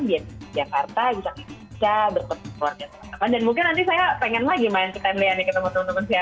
jadi mungkin nanti saya pengen lagi main ke family ini ke temen temen saya